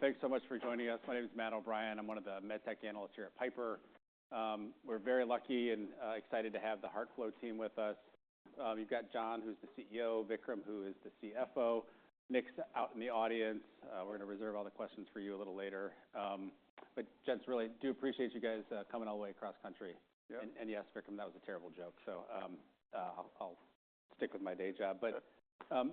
Hey, thanks so much for joining us. My name's Matt O'Brien. I'm one of the med tech analysts here at Piper. We're very lucky and excited to have the HeartFlow team with us. You've got John, who's the CEO. Vikram, who is the CFO. Nick's out in the audience. We're gonna reserve all the questions for you a little later. But yes, really do appreciate you guys coming all the way across country. Yeah. And yes, Vikram, that was a terrible joke, so I'll stick with my day job. But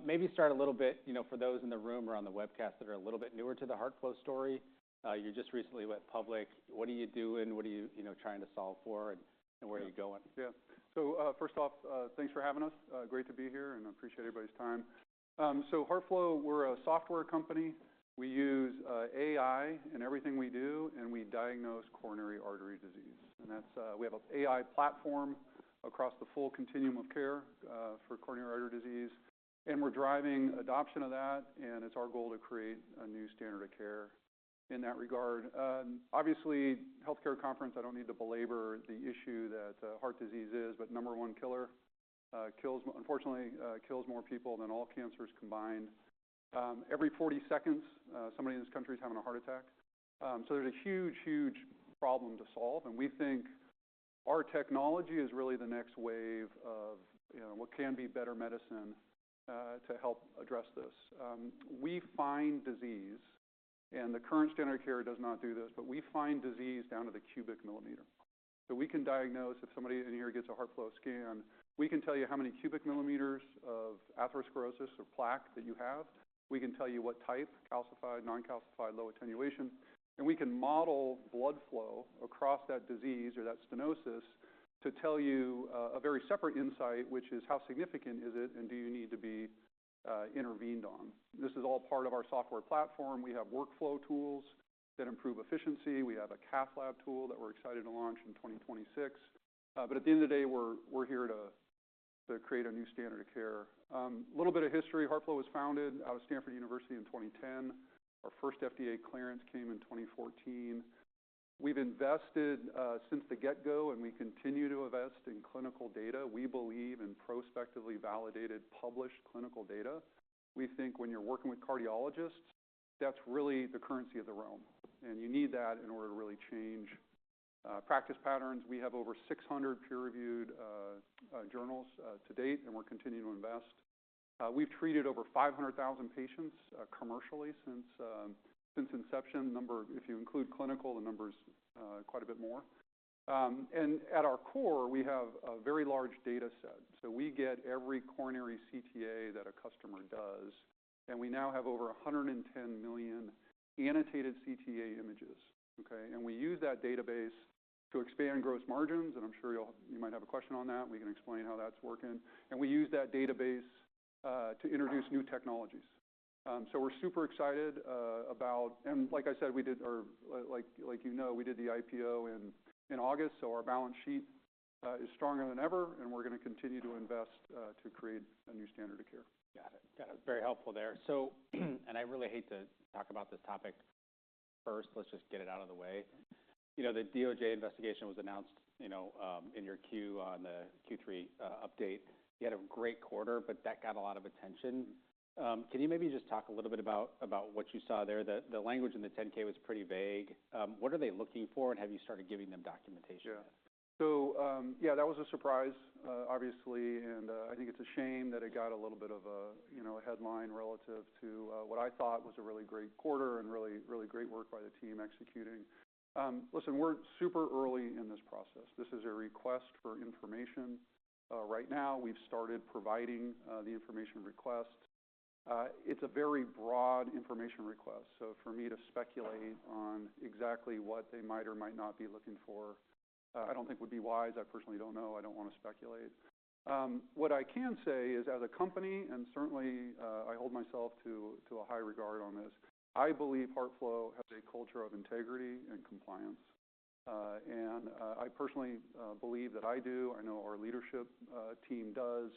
maybe start a little bit, you know, for those in the room or on the webcast that are a little bit newer to the HeartFlow story. You're just recently went public. What are you doing? What are you, you know, trying to solve for, and where are you going? Yeah. So, first off, thanks for having us. Great to be here, and I appreciate everybody's time. So HeartFlow, we're a software company. We use AI in everything we do, and we diagnose coronary artery disease. And that's. We have an AI platform across the full continuum of care for coronary artery disease. And we're driving adoption of that, and it's our goal to create a new standard of care in that regard. Obviously, Healthcare Conference, I don't need to belabor the issue that heart disease is, but number one killer. It kills unfortunately more people than all cancers combined. Every 40 seconds, somebody in this country's having a heart attack. So there's a huge, huge problem to solve, and we think our technology is really the next wave of, you know, what can be better medicine to help address this. We find disease, and the current standard of care does not do this, but we find disease down to the cubic millimeter. So we can diagnose if somebody in here gets a HeartFlow scan, we can tell you how many cubic millimeters of atherosclerosis or plaque that you have. We can tell you what type: calcified, non-calcified, low attenuation. And we can model blood flow across that disease or that stenosis to tell you, a very separate insight, which is how significant is it, and do you need to be, intervened on. This is all part of our software platform. We have workflow tools that improve efficiency. We have a Cath Lab tool that we're excited to launch in 2026. But at the end of the day, we're here to create a new standard of care. A little bit of history. HeartFlow was founded out of Stanford University in 2010. Our first FDA clearance came in 2014. We've invested, since the get-go, and we continue to invest in clinical data. We believe in prospectively validated, published clinical data. We think when you're working with cardiologists, that's really the currency of the realm, and you need that in order to really change practice patterns. We have over 600 peer-reviewed journals to date, and we're continuing to invest. We've treated over 500,000 patients commercially since inception. If you include clinical, the number's quite a bit more. At our core, we have a very large data set. So we get every coronary CTA that a customer does, and we now have over 110 million annotated CTA images, okay? We use that database to expand gross margins, and I'm sure you'll, you might have a question on that. We can explain how that's working. We use that database to introduce new technologies. We're super excited about, and like I said, like you know we did the IPO in August, so our balance sheet is stronger than ever, and we're gonna continue to invest to create a new standard of care. Got it. Got it. Very helpful there. So, and I really hate to talk about this topic first. Let's just get it out of the way. You know, the DOJ investigation was announced, you know, in your Q on the Q3 update. You had a great quarter, but that got a lot of attention. Can you maybe just talk a little bit about what you saw there? The language in the 10-K was pretty vague. What are they looking for, and have you started giving them documentation? Yeah. So, yeah, that was a surprise, obviously, and I think it's a shame that it got a little bit of a, you know, a headline relative to what I thought was a really great quarter and really, really great work by the team executing. Listen, we're super early in this process. This is a request for information. Right now, we've started providing the information request. It's a very broad information request, so for me to speculate on exactly what they might or might not be looking for, I don't think would be wise. I personally don't know. I don't wanna speculate. What I can say is, as a company, and certainly I hold myself to a high regard on this, I believe HeartFlow has a culture of integrity and compliance. And I personally believe that I do. I know our leadership team does.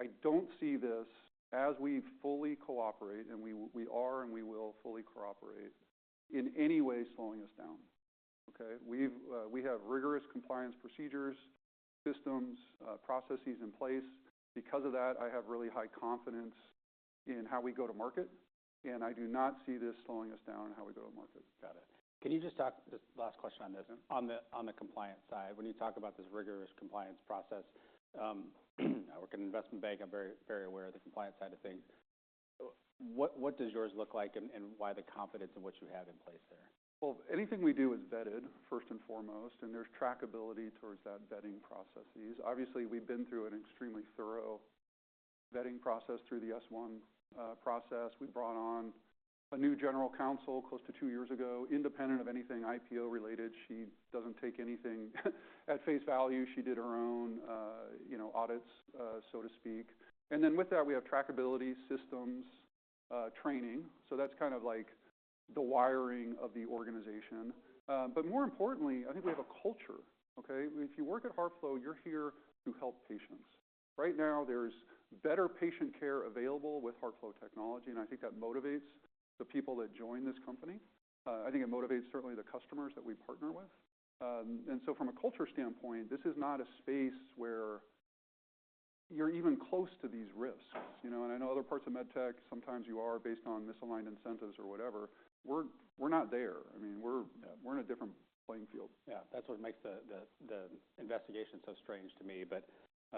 I don't see this as we fully cooperate, and we are, and we will fully cooperate in any way slowing us down, okay? We have rigorous compliance procedures, systems, processes in place. Because of that, I have really high confidence in how we go to market, and I do not see this slowing us down in how we go to market. Got it. Can you just talk? Just last question on this? Yeah. On the compliance side, when you talk about this rigorous compliance process, I work at an investment bank. I'm very, very aware of the compliance side of things. What does yours look like, and why the confidence in what you have in place there? Well, anything we do is vetted, first and foremost, and there's trackability towards that vetting processes. Obviously, we've been through an extremely thorough vetting process through the S-1 process. We brought on a new general counsel close to two years ago, independent of anything IPO-related. She doesn't take anything at face value. She did her own, you know, audits, so to speak. And then with that, we have trackability, systems, training. So that's kind of like the wiring of the organization. But more importantly, I think we have a culture, okay? If you work at HeartFlow, you're here to help patients. Right now, there's better patient care available with HeartFlow technology, and I think that motivates the people that join this company. I think it motivates certainly the customers that we partner with. And so from a culture standpoint, this is not a space where you're even close to these risks, you know? And I know other parts of med tech, sometimes you are based on misaligned incentives or whatever. We're not there. I mean, we're in a different playing field. Yeah. That's what makes the investigation so strange to me, but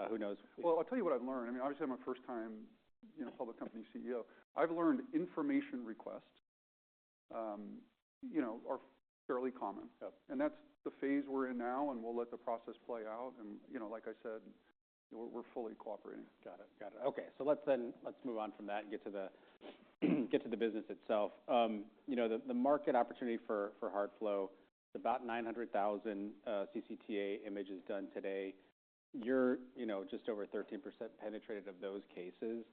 who knows? Well, I'll tell you what I've learned. I mean, obviously, I'm a first-time, you know, public company CEO. I've learned information requests, you know, are fairly common. Yep. And that's the phase we're in now, and we'll let the process play out. And, you know, like I said, we're fully cooperating. Got it. Okay. So let's move on from that and get to the business itself. You know, the market opportunity for HeartFlow, about 900,000 CCTA images done today. You're, you know, just over 13% penetrated of those cases.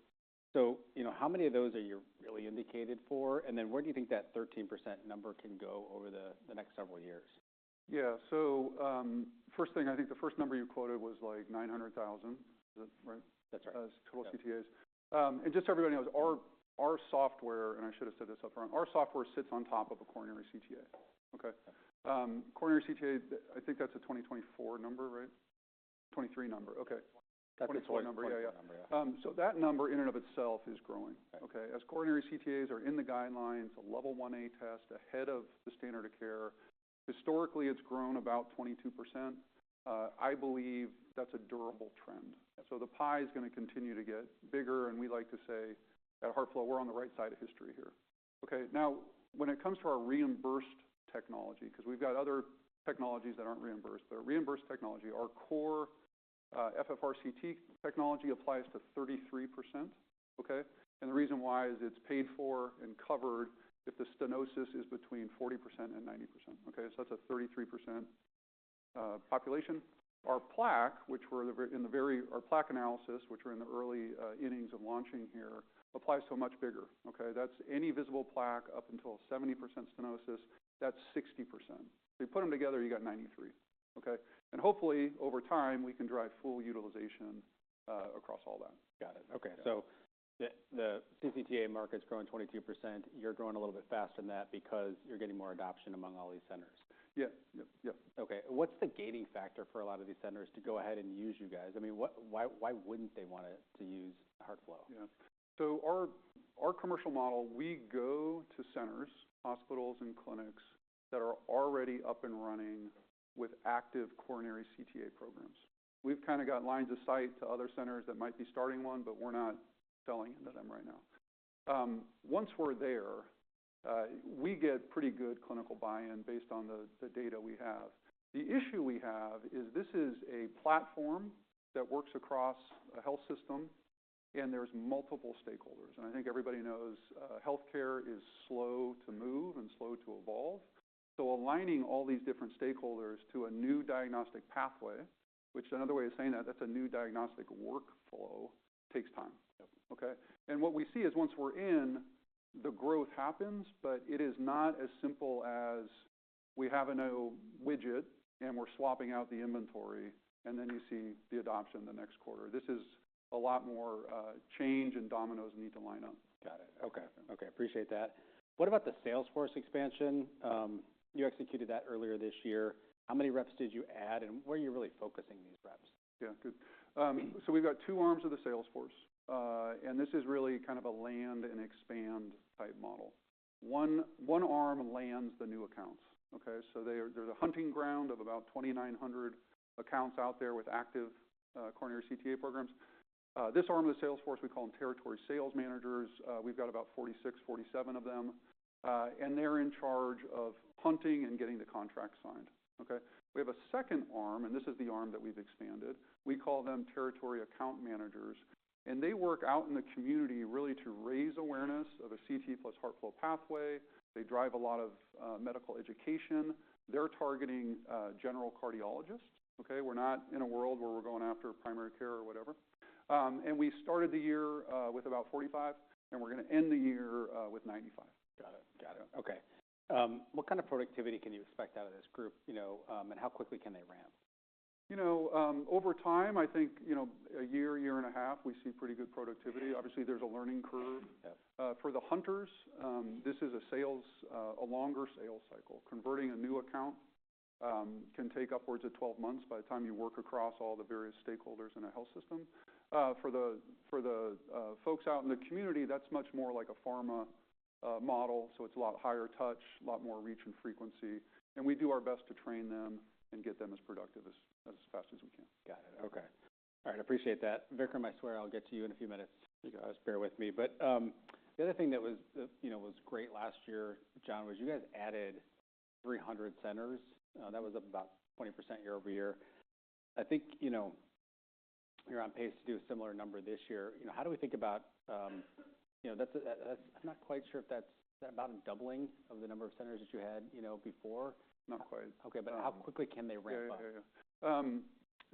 So, you know, how many of those are you really indicated for? And then where do you think that 13% number can go over the next several years? Yeah. So, first thing, I think the first number you quoted was like 900,000. Is that right? That's right. As total CTAs and just so everybody knows, our software, and I should have said this upfront, our software sits on top of a coronary CTA, okay? Coronary CTA, I think that's a 2024 number, right? 2023 number. Okay. That's a 2024 number. 23 number, yeah. Yeah. So that number in and of itself is growing, okay? As coronary CTAs are in the guidelines, a level 1A test ahead of the standard of care, historically, it's grown about 22%. I believe that's a durable trend. So the pie's gonna continue to get bigger, and we like to say at HeartFlow, we're on the right side of history here. Okay. Now, when it comes to our reimbursed technology, 'cause we've got other technologies that aren't reimbursed, but reimbursed technology, our core, FFRCT technology applies to 33%, okay? And the reason why is it's paid for and covered if the stenosis is between 40% and 90%, okay? So that's a 33% population. Our Plaque Analysis, which we're in the very early innings of launching here, applies to a much bigger, okay? That's any visible plaque up until 70% stenosis, that's 60%. So you put them together, you got 93, okay? And hopefully, over time, we can drive full utilization across all that. Got it. Okay. So the CCTA market's growing 22%. You're growing a little bit faster than that because you're getting more adoption among all these centers. Yeah. Yep. Yep. Okay. What's the gating factor for a lot of these centers to go ahead and use you guys? I mean, what, why wouldn't they want to use HeartFlow? Yeah. So our commercial model, we go to centers, hospitals, and clinics that are already up and running with active coronary CTA programs. We've kinda got lines of sight to other centers that might be starting one, but we're not selling into them right now. Once we're there, we get pretty good clinical buy-in based on the data we have. The issue we have is this is a platform that works across a health system, and there's multiple stakeholders. I think everybody knows, healthcare is slow to move and slow to evolve. So aligning all these different stakeholders to a new diagnostic pathway, which another way of saying that, that's a new diagnostic workflow, takes time. Yep. Okay? And what we see is once we're in, the growth happens, but it is not as simple as we have a new widget, and we're swapping out the inventory, and then you see the adoption the next quarter. This is a lot more change, and dominoes need to line up. Got it. Okay. Okay. Appreciate that. What about the Salesforce expansion? You executed that earlier this year. How many reps did you add, and where are you really focusing these reps? Yeah. Good. So we've got two arms of the sales force, and this is really kind of a land-and-expand type model. One arm lands the new accounts, okay? So there's a hunting ground of about 2,900 accounts out there with active coronary CTA programs. This arm of the sales force, we call them territory sales managers. We've got about 46, 47 of them. And they're in charge of hunting and getting the contracts signed, okay? We have a second arm, and this is the arm that we've expanded. We call them territory account managers, and they work out in the community really to raise awareness of a CT plus HeartFlow pathway. They drive a lot of medical education. They're targeting general cardiologists, okay? We're not in a world where we're going after primary care or whatever. And we started the year with about 45, and we're gonna end the year with 95. Got it. Got it. Okay. What kind of productivity can you expect out of this group, you know, and how quickly can they ramp? You know, over time, I think, you know, a year, year and a half, we see pretty good productivity. Obviously, there's a learning curve. Yep. For the hunters, this is a longer sales cycle. Converting a new account can take upwards of 12 months by the time you work across all the various stakeholders in a health system. For the folks out in the community, that's much more like a pharma model, so it's a lot higher touch, a lot more reach and frequency. And we do our best to train them and get them as productive as fast as we can. Got it. Okay. All right. Appreciate that. Vikram, I swear I'll get to you in a few minutes. You guys just bear with me. But the other thing that was, you know, was great last year, John, was you guys added 300 centers. That was up about 20% year over year. I think, you know, you're on pace to do a similar number this year. You know, how do we think about, you know, that's. I'm not quite sure if that's about a doubling of the number of centers that you had, you know, before. Not quite. Okay. But how quickly can they ramp up?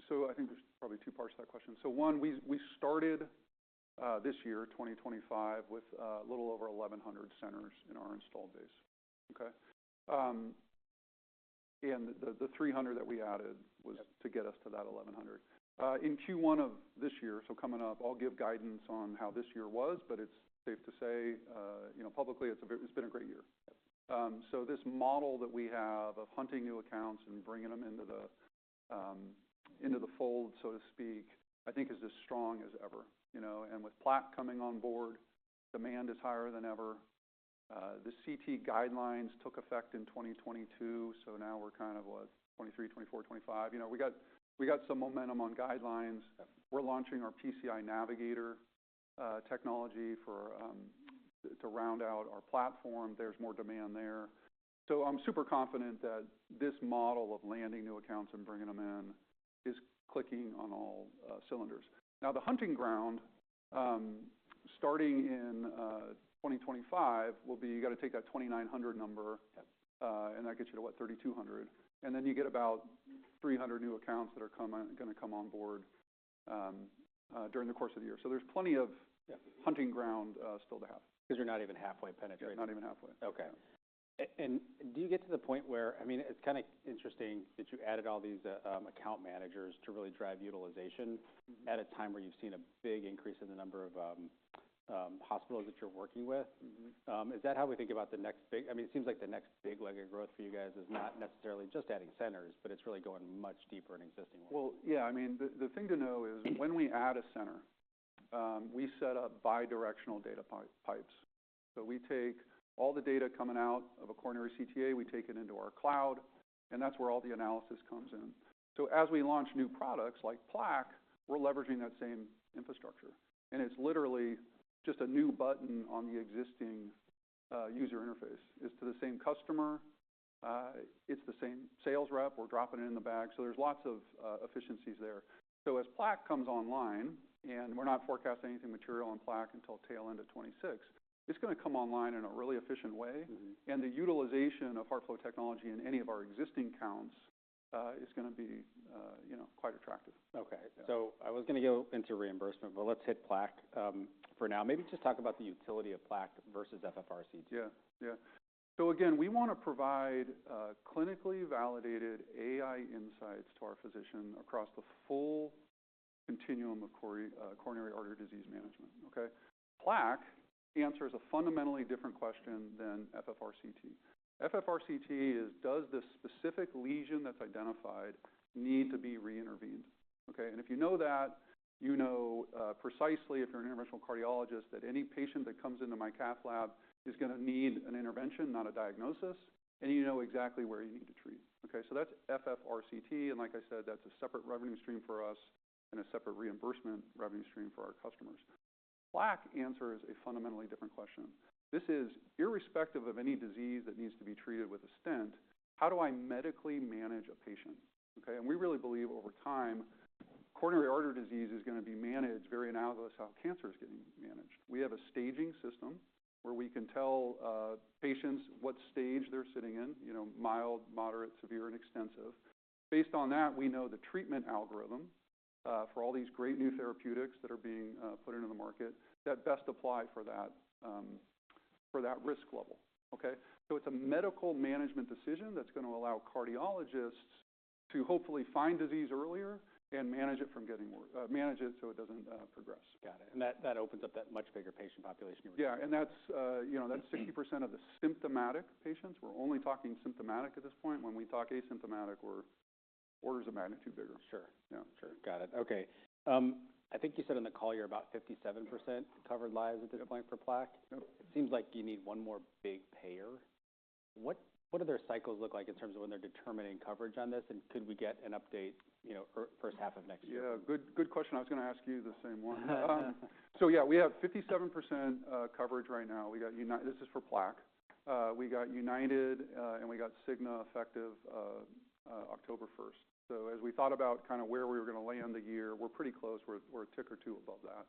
So I think there's probably two parts to that question. So one, we started this year, 2025, with a little over 1,100 centers in our installed base, okay? And the 300 that we added was to get us to that 1,100 in Q1 of this year. So coming up, I'll give guidance on how this year was, but it's safe to say, you know, publicly, it's been a great year. Yep. So this model that we have of hunting new accounts and bringing them into the fold, so to speak, I think is as strong as ever, you know? And with plaque coming on board, demand is higher than ever. The CT guidelines took effect in 2022, so now we're kind of, what, 2023, 2024, 2025. You know, we got some momentum on guidelines. Yep. We're launching our PCI Navigator technology for to round out our platform. There's more demand there. So I'm super confident that this model of landing new accounts and bringing them in is clicking on all cylinders. Now, the hunting ground starting in 2025 will be you gotta take that 2,900 number. Yep. And that gets you to, what, 3,200. And then you get about 300 new accounts that are gonna come on board during the course of the year. So there's plenty of. Yep. Hunting ground, still to have. 'Cause you're not even halfway penetrated. Yeah. Not even halfway. Okay. And do you get to the point where, I mean, it's kinda interesting that you added all these account managers to really drive utilization at a time where you've seen a big increase in the number of hospitals that you're working with? Mm-hmm. Is that how we think about the next big? I mean, it seems like the next big leg of growth for you guys is not necessarily just adding centers, but it's really going much deeper in existing ones. Yeah. I mean, the thing to know is when we add a center, we set up bidirectional data pipes. So we take all the data coming out of a Coronary CTA, we take it into our cloud, and that's where all the analysis comes in. So as we launch new products like plaque, we're leveraging that same infrastructure. And it's literally just a new button on the existing user interface. It's to the same customer. It's the same sales rep. We're dropping it in the bag. So there's lots of efficiencies there. So as plaque comes online, and we're not forecasting anything material on plaque until tail end of 2026, it's gonna come online in a really efficient way. Mm-hmm. The utilization of HeartFlow technology in any of our existing accounts is gonna be, you know, quite attractive. Okay. So I was gonna go into reimbursement, but let's hit plaque, for now. Maybe just talk about the utility of plaque versus FFRCT. Yeah. Yeah. So again, we wanna provide clinically validated AI insights to our physician across the full continuum of coronary artery disease management, okay? Plaque answers a fundamentally different question than FFRCT. FFRCT is, does this specific lesion that's identified need to be reintervened, okay? And if you know that, you know, precisely, if you're an interventional cardiologist, that any patient that comes into my cath lab is gonna need an intervention, not a diagnosis, and you know exactly where you need to treat, okay? So that's FFRCT. And like I said, that's a separate revenue stream for us and a separate reimbursement revenue stream for our customers. Plaque answers a fundamentally different question. This is, irrespective of any disease that needs to be treated with a stent, how do I medically manage a patient, okay? We really believe over time, coronary artery disease is gonna be managed very analogous to how cancer is getting managed. We have a staging system where we can tell patients what stage they're sitting in, you know, mild, moderate, severe, and extensive. Based on that, we know the treatment algorithm for all these great new therapeutics that are being put into the market that best apply for that for that risk level, okay? So it's a medical management decision that's gonna allow cardiologists to hopefully find disease earlier and manage it from getting worse, manage it so it doesn't progress. Got it. And that opens up that much bigger patient population you're working with. Yeah, and that's, you know, that's 60% of the symptomatic patients. We're only talking symptomatic at this point. When we talk asymptomatic, we're orders of magnitude bigger. Sure. Yeah. Sure. Got it. Okay. I think you said on the call you're about 57% covered lives at this point for plaque. Yep. It seems like you need one more big payer. What do their cycles look like in terms of when they're determining coverage on this, and could we get an update, you know, or first half of next year? Yeah. Good, good question. I was gonna ask you the same one. So yeah, we have 57% coverage right now. We got United. This is for plaque. We got United, and we got Cigna effective October 1st. So as we thought about kinda where we were gonna land the year, we're pretty close. We're a tick or two above that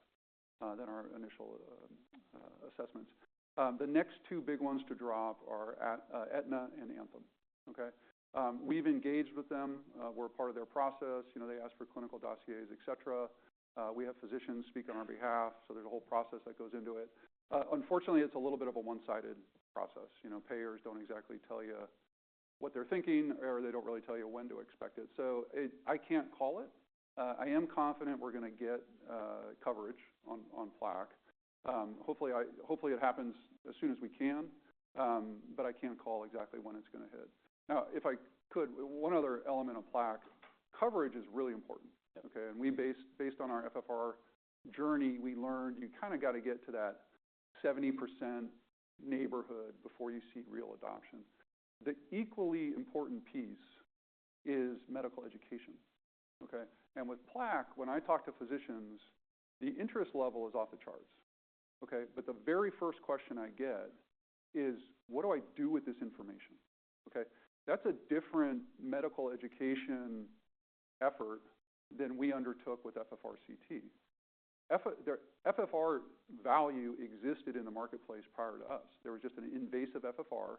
than our initial assessments. The next two big ones to drop are Aetna and Anthem, okay? We've engaged with them. We're a part of their process. You know, they ask for clinical dossiers, etc. We have physicians speak on our behalf, so there's a whole process that goes into it. Unfortunately, it's a little bit of a one-sided process. You know, payers don't exactly tell you what they're thinking, or they don't really tell you when to expect it. So it, I can't call it. I am confident we're gonna get coverage on plaque. Hopefully it happens as soon as we can, but I can't call exactly when it's gonna hit. Now, if I could, one other element of plaque coverage is really important. Yep. Okay? And we based on our FFR journey, we learned you kinda gotta get to that 70% neighborhood before you see real adoption. The equally important piece is medical education, okay? And with plaque, when I talk to physicians, the interest level is off the charts, okay? But the very first question I get is, what do I do with this information, okay? That's a different medical education effort than we undertook with FFRCT. FFR, their FFR value existed in the marketplace prior to us. There was just an invasive FFR.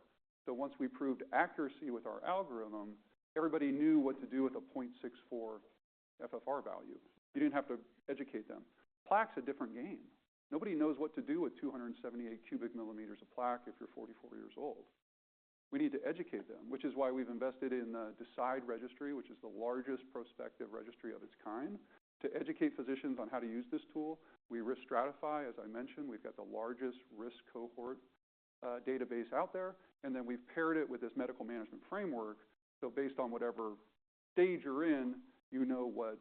So once we proved accuracy with our algorithm, everybody knew what to do with a 0.64 FFR value. You didn't have to educate them. Plaque's a different game. Nobody knows what to do with 278 cubic millimeters of plaque if you're 44 years old. We need to educate them, which is why we've invested in the DECIDE Registry, which is the largest prospective registry of its kind, to educate physicians on how to use this tool. We risk stratify, as I mentioned. We've got the largest risk cohort, database out there, and then we've paired it with this medical management framework, so based on whatever stage you're in, you know what,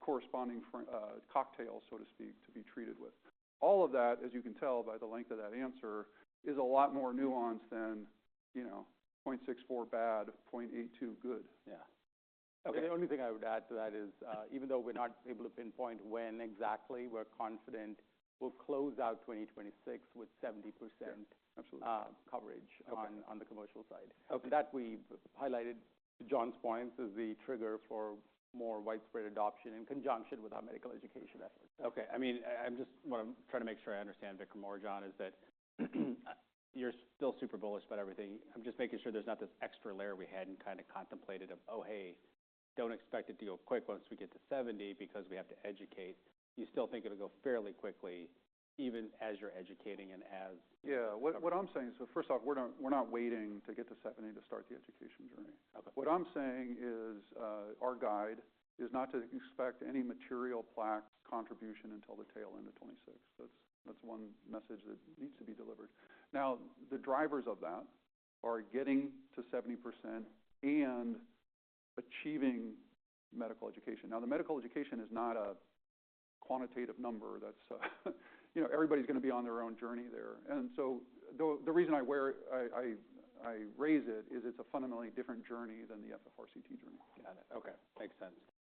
corresponding FFR cocktail, so to speak, to be treated with. All of that, as you can tell by the length of that answer, is a lot more nuanced than, you know, 0.64 bad, 0.82 good. Yeah. Okay. The only thing I would add to that is, even though we're not able to pinpoint when exactly, we're confident we'll close out 2026 with 70%. Yeah. Absolutely. coverage. Okay. On the commercial side. Okay. That we've highlighted John's points as the trigger for more widespread adoption in conjunction with our medical education efforts. Okay. I mean, I'm just what I'm trying to make sure I understand, Vikram or John, is that you're still super bullish about everything. I'm just making sure there's not this extra layer we hadn't kinda contemplated of, oh, hey, don't expect it to go quick once we get to 70 because we have to educate. You still think it'll go fairly quickly even as you're educating and as. Yeah. What I'm saying is, well, first off, we're not waiting to get to 70 to start the education journey. Okay. What I'm saying is, our guide is not to expect any material plaque contribution until the tail end of 2026. That's, that's one message that needs to be delivered. Now, the drivers of that are getting to 70% and achieving medical education. Now, the medical education is not a quantitative number that's, you know, everybody's gonna be on their own journey there. And so the reason why I raise it is it's a fundamentally different journey than the FFRCT journey. Got it. Okay. Makes sense.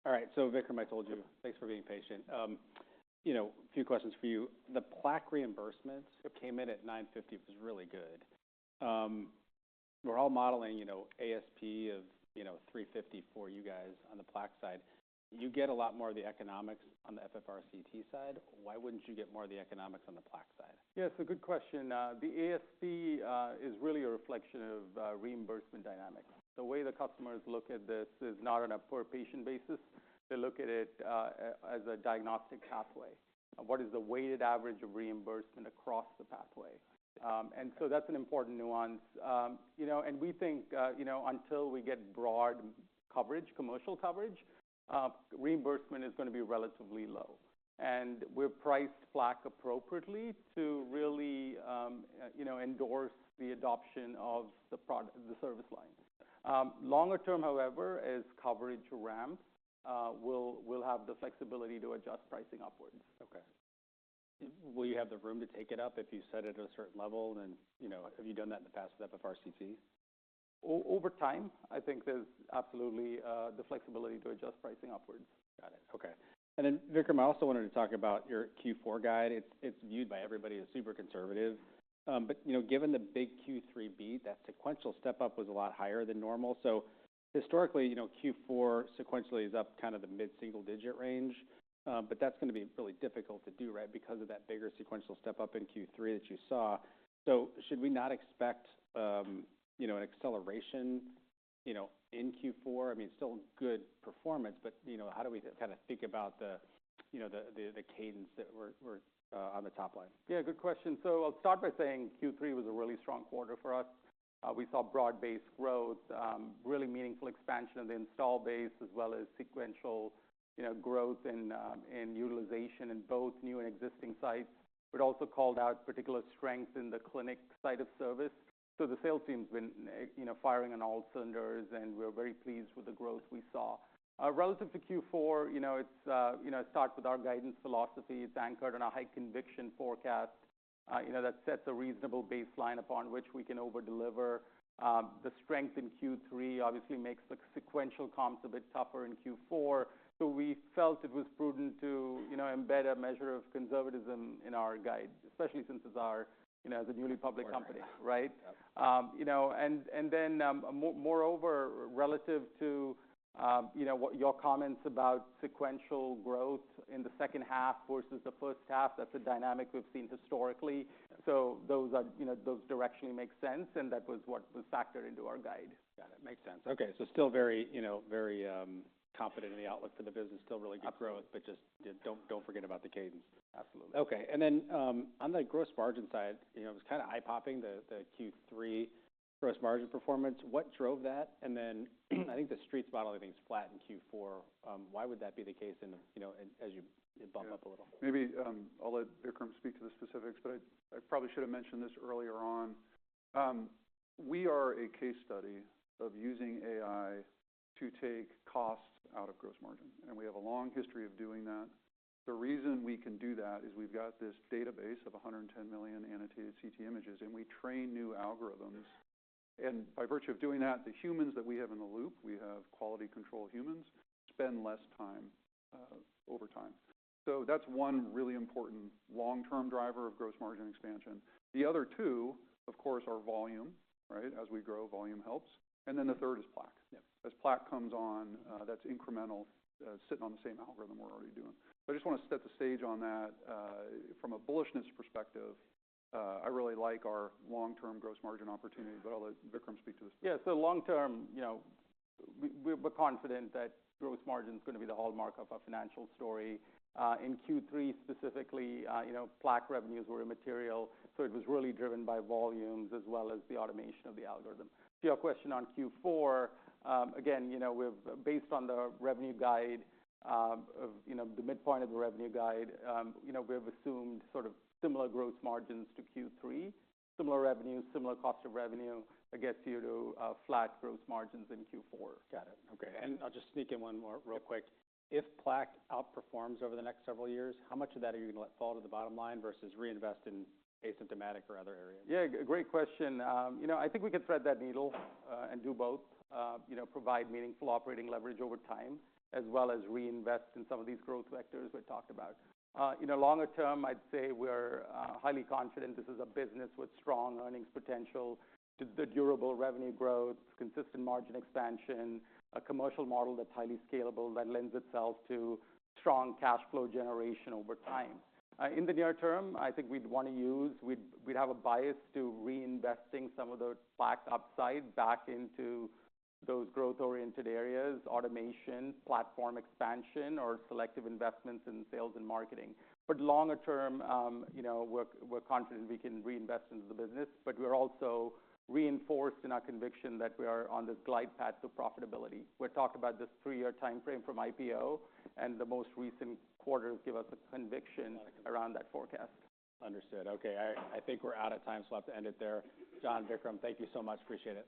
All right. So Vikram, I told you. Yeah. Thanks for being patient. You know, few questions for you. The plaque reimbursements. Yep. Came in at $950 was really good. We're all modeling, you know, ASP of, you know, $350 for you guys on the plaque side. You get a lot more of the economics on the FFRCT side. Why wouldn't you get more of the economics on the plaque side? Yeah. It's a good question. The ASP is really a reflection of reimbursement dynamics. The way the customers look at this is not on a per-patient basis. They look at it as a diagnostic pathway. What is the weighted average of reimbursement across the pathway? And so that's an important nuance. You know, and we think, you know, until we get broad coverage, commercial coverage, reimbursement is gonna be relatively low. And we've priced plaque appropriately to really, you know, endorse the adoption of the product, the service lines. Longer term, however, as coverage ramps, we'll have the flexibility to adjust pricing upwards. Okay. Will you have the room to take it up if you set it at a certain level? And, you know, have you done that in the past with FFRCT? Over time, I think there's absolutely the flexibility to adjust pricing upwards. Got it. Okay. Then, Vikram, I also wanted to talk about your Q4 guide. It's viewed by everybody as super conservative, but you know, given the big Q3 beat, that sequential step-up was a lot higher than normal, so historically, you know, Q4 sequentially is up kinda the mid-single-digit range, but that's gonna be really difficult to do, right, because of that bigger sequential step-up in Q3 that you saw, so should we not expect, you know, an acceleration, you know, in Q4? I mean, still good performance, but you know, how do we kinda think about the, you know, the cadence that we're on the top line? Yeah. Good question. So I'll start by saying Q3 was a really strong quarter for us. We saw broad-based growth, really meaningful expansion of the install base as well as sequential, you know, growth in, in utilization in both new and existing sites. We'd also called out particular strengths in the clinic side of service. So the sales team's been, you know, firing on all cylinders, and we're very pleased with the growth we saw. Relative to Q4, you know, it's, you know, it starts with our guidance philosophy. It's anchored on a high conviction forecast, you know, that sets a reasonable baseline upon which we can overdeliver. The strength in Q3 obviously makes the sequential comps a bit tougher in Q4. So we felt it was prudent to, you know, embed a measure of conservatism in our guide, especially since it's our, you know, as a newly public company, right? Yeah. You know, and then, moreover, relative to, you know, what your comments about sequential growth in the second half versus the first half, that's a dynamic we've seen historically. So those are, you know, directionally make sense, and that was what was factored into our guide. Got it. Makes sense. Okay. So still very, you know, very, confident in the outlook for the business. Still really good growth, but just, you know, don't, don't forget about the cadence. Absolutely. Okay. And then, on the gross margin side, you know, it was kinda eye-popping, the Q3 gross margin performance. What drove that? And then I think the street's modeling things flat in Q4. Why would that be the case in a, you know, as you bump up a little? Maybe, I'll let Vikram speak to the specifics, but I probably should've mentioned this earlier on. We are a case study of using AI to take costs out of gross margin. And we have a long history of doing that. The reason we can do that is we've got this database of 110 million annotated CT images, and we train new algorithms. And by virtue of doing that, the humans that we have in the loop, we have quality control humans, spend less time, over time. So that's one really important long-term driver of gross margin expansion. The other two, of course, are volume, right? As we grow, volume helps. And then the third is plaque. Yep. As plaque comes on, that's incremental, sitting on the same algorithm we're already doing. So I just wanna set the stage on that. From a bullishness perspective, I really like our long-term gross margin opportunity, but I'll let Vikram speak to this. Yeah. So long-term, you know, we're confident that gross margin's gonna be the hallmark of our financial story. In Q3 specifically, you know, plaque revenues were immaterial. So it was really driven by volumes as well as the automation of the algorithm. To your question on Q4, again, you know, we've based on the midpoint of the revenue guide, you know, we've assumed sort of similar gross margins to Q3, similar revenue, similar cost of revenue, that gets you to flat gross margins in Q4. Got it. Okay. And I'll just sneak in one more real quick. If plaque outperforms over the next several years, how much of that are you gonna let fall to the bottom line versus reinvest in asymptomatic or other areas? Yeah. Great, great question. You know, I think we could thread that needle, and do both, you know, provide meaningful operating leverage over time as well as reinvest in some of these growth vectors we talked about. You know, longer term, I'd say we're highly confident this is a business with strong earnings potential, the durable revenue growth, consistent margin expansion, a commercial model that's highly scalable that lends itself to strong cash flow generation over time. In the near term, I think we'd have a bias to reinvesting some of the plaque upside back into those growth-oriented areas, automation, platform expansion, or selective investments in sales and marketing, but longer term, you know, we're confident we can reinvest into the business, but we're also reinforced in our conviction that we are on this glide path to profitability. We've talked about this three-year timeframe from IPO, and the most recent quarters give us a conviction around that forecast. Understood. Okay. I think we're out of time. So I'll have to end it there. John, Vikram, thank you so much. Appreciate it.